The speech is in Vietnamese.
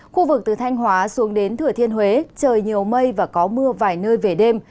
khu vực từ thanh hóa xuống đến thừa thiên huế trời nhiều mây và có mưa vài nơi về đêm